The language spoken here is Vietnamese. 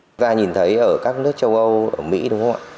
chúng ta nhìn thấy ở các nước châu âu ở mỹ đúng không ạ